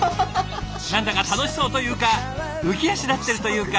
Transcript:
何だか楽しそうというか浮き足立ってるというか。